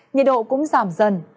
nhiệt độ cũng giảm dần